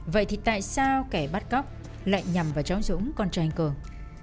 vậy thì tại sao kẻ bắt cóc lại nhằm vào cháu dũng con trai anh cường